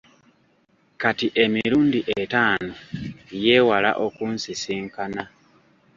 Kati emirundi etaano, yeewala okunsisinkana.